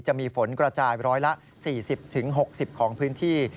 จะมีฝนกระจายร้อยละ๔๐๖๐ของพื้นที่